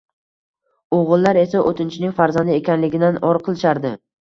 O`g`illar esa o`tinchining farzandi ekanligidan or qilishardi